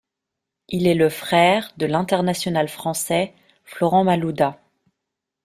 Il est le frère de l'international français Florent Malouda.